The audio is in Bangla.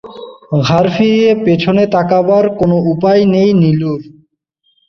ঘাড় ফিরিয়ে পেছনে তাকাবার কোনো উপায় নেই নীলুর।